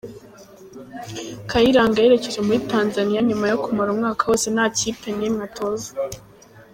Kayiranga yerekeje muri Tanzania nyuma yo kumara umwaka wose nta kipe n'imwe atoza.